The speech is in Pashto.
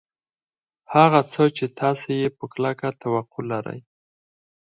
هغه څه چې تاسې یې په کلکه توقع لرئ